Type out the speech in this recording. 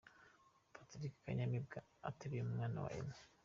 Patrick Kanyamibwa ateruye umwana wa Aime.